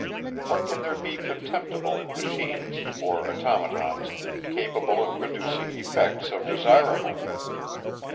What can there be contemptible in machines, or automatons, capable of producing effects so desirable?